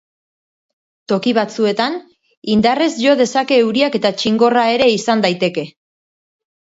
Toki batzuetan, indarrez jo dezake euriak eta txingorra ere izan daiteke.